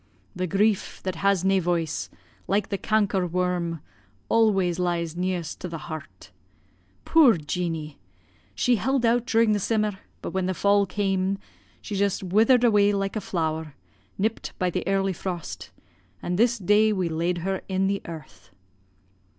The grief that has nae voice, like the canker worm, always lies ne'est to the heart. Puir Jeanie! she held out during the simmer, but when the fall came, she just withered awa' like a flower, nipped by the early frost, and this day we laid her in the earth.